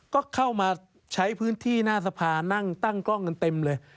ก็เข้ามาใช้พื้นที่หน้าสภานั่งตั้งกล้องกันเต็มเลย